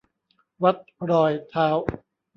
วัดรอยเท้า